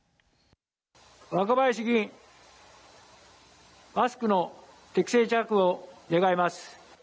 若林議員マスクの適正着用を願います。